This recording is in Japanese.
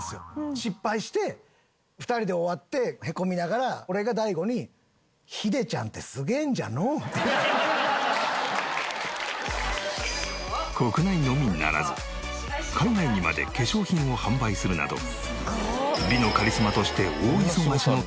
失敗して２人で終わってヘコみながら俺が大悟に国内のみならず海外にまで化粧品を販売するなど美のカリスマとして大忙しの十和子様だが。